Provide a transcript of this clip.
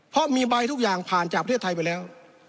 เพราะมีใบทุกอย่างผ่านจากประเทศไทยไปแล้ว